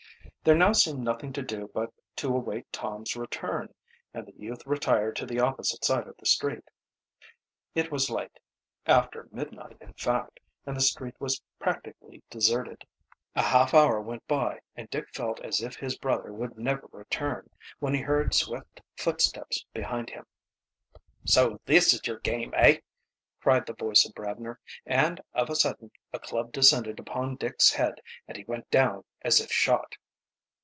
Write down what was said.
There now seemed nothing to do but to await Tom's return, and the youth retired to the opposite side of the street. It was late after midnight, in fact and the street was practically deserted. A half hour went by and Dick felt as if his brother would never return, when he heard swift footsteps behind him. "So this is your game, eh?" cried the voice of Bradner, and of a sudden a club descended upon Dick's head and he went down as if shot.